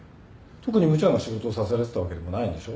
特にむちゃな仕事をさせられてたわけでもないんでしょ？